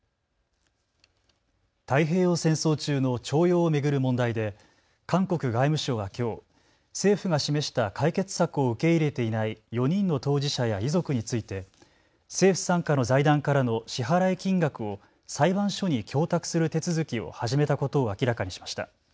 太平洋戦争中の徴用を巡る問題で韓国外務省はきょう政府が示した解決策を受け入れていない４人の当事者や遺族について政府傘下の財団からの支払い金額を裁判所に供託する手続きを始めたことを明らかにしました。